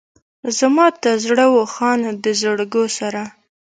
زما تر زړه و خانه د زرګو سره.